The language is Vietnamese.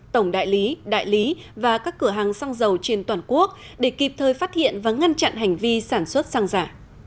tổng đại lý đại lý và các cửa hàng xăng dầu trên toàn quốc để kịp thời phát hiện và ngăn chặn hành vi sản xuất xăng giả